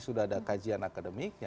sudah ada kajian akademik